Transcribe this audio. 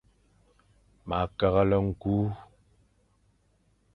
Ma keghle nku.